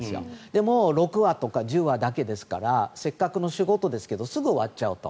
でも、６話とか１０話とかだけですからせっかくの仕事ですがすぐ終わっちゃうと。